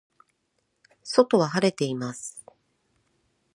外は晴れています。